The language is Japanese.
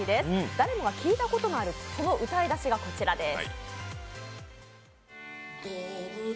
誰もが聴いたことのある、その歌い出しがこちらです。